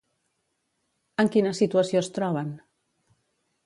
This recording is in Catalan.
En quina situació es troben?